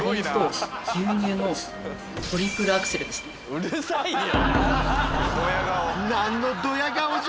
うるさいよ！